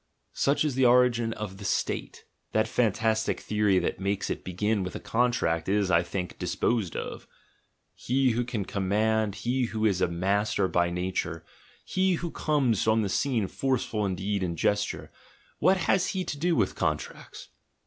Such is the origin of the "State." That fantas tic theory that makes it begin with a contract is, I think, disposed of. He who can command, he who is a master by "nature," he who comes on the scene forceful in deed and gesture — what has he to do with contracts?